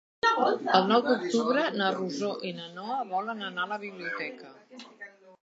El nou d'octubre na Rosó i na Noa volen anar a la biblioteca.